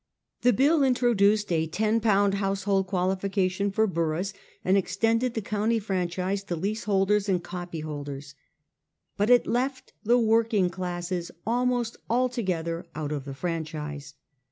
The bib introduced a 10Z. household qualification for boroughs, and extended the county franchise to leaseholders and copyholders. But it left the working classes almost altogether out of the franchise.